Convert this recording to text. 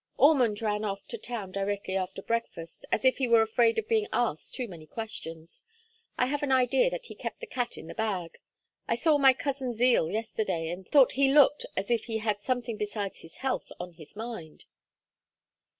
"Ormond ran off to town directly after breakfast as if he were afraid of being asked too many questions. I have an idea that he kept the cat in the bag. I saw my cousin Zeal yesterday, and thought he looked as if he had something besides his health on his mind."